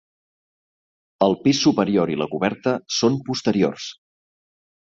El pis superior i la coberta són posteriors.